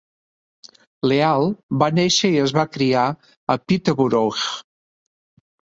Leal va néixer i es va criar a Peterborough.